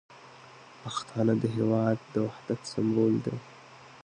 پښتانه د هیواد د وحدت سمبول دي.